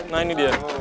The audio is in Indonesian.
nah ini dia